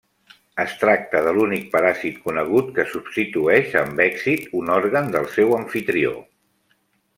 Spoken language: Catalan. Es tracta de l'únic paràsit conegut que substitueix amb èxit un òrgan del seu amfitrió.